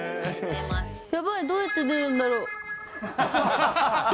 やばい、どうやって出るんだろう？